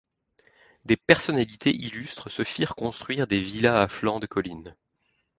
Des personnalités illustres se firent construire des villas à flanc de colline.